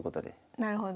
なるほど。